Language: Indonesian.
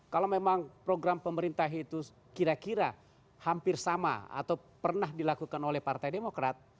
kalau memang program pemerintah itu kira kira hampir sama atau pernah dilakukan oleh partai demokrat